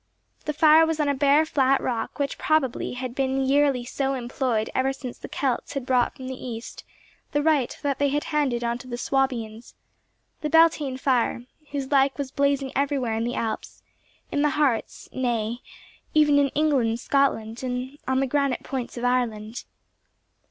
The fire was on a bare, flat rock, which probably had been yearly so employed ever since the Kelts had brought from the East the rite that they had handed on to the Swabians—the Beltane fire, whose like was blazing everywhere in the Alps, in the Hartz, nay, even in England, Scotland, and on the granite points of Ireland.